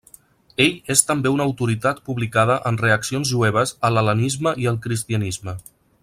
Ell és també una autoritat publicada en reaccions jueves a l'hel·lenisme i el cristianisme.